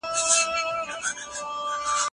د څيړني په برخه کي باید پوره دقت وسي.